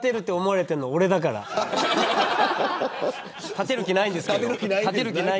立てる気ないですけど。